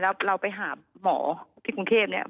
แล้วเราไปหาหมอที่กรุงเทพเนี่ย